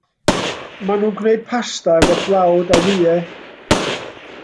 Mae nhw'n gwneud pasta efo blawd a wyau.